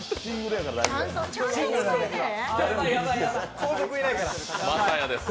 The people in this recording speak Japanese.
後続いないから。